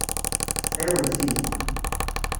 Ɛiwnet-iyi.